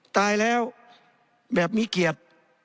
ตายแล้วแบบมิเกียจ